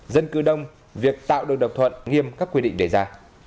dân cư đông việc tạo được độc thuận nghiêm các quy định đề ra